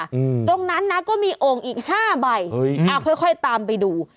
ตรงนั้นนะก็มีองค์อีก๕ใบเอาค่อยตามไปดู